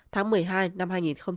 tháng một mươi hai năm hai nghìn hai mươi